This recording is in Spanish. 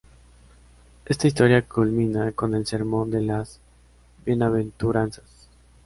Esta historia culmina con el sermón de las bienaventuranzas.